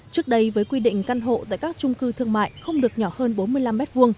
trước đây với quy định căn hộ tại các trung cư thương mại không được nhỏ hơn bốn mươi năm m hai